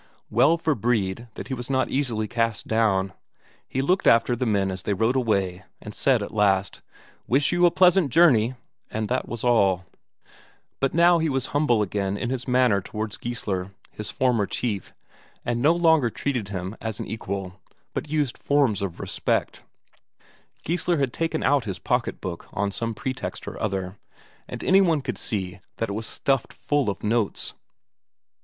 Well for Brede that he was not easily cast down; he looked after the men as they rode away, and said at last: "Wish you a pleasant journey!" And that was all. But now he was humble again in his manner towards Geissler, his former chief, and no longer treated him as an equal, but used forms of respect. Geissler had taken out his pocket book on some pretext or other, and any one could see that it was stuffed full of notes.